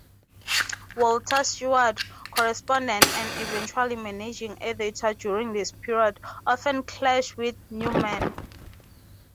Walter Stewart, correspondent and eventually managing editor during this period, often clashed with Newman.